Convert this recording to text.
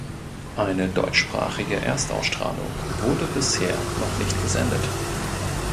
Eine deutschsprachige Erstausstrahlung wurde bisher noch nicht gesendet.